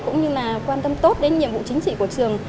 cũng như là quan tâm tốt đến nhiệm vụ chính trị của trường